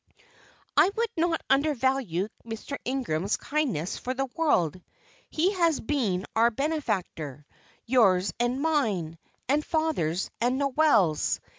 "I would not undervalue Mr. Ingram's kindness for the world. He has been our benefactor yours, and mine, and father's, and Noel's.